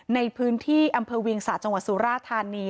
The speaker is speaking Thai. ในพื้นที่อำเภอเวียงสะจังหวัดสุราธานี